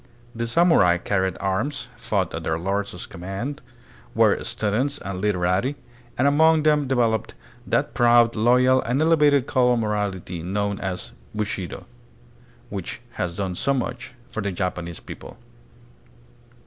The samurai carried arms, fought at their lords' command, were stu dents and literati, and among them developed that proud, loyal, and elevated code of morality known as " Bushido," which has done so much for the Japanese people.